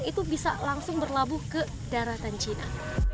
itu bisa langsung berlabuh ke daratan cina